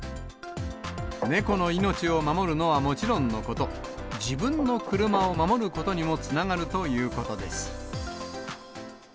猫の命を守るのはもちろんのこと、自分の車を守ることにもつながるということです。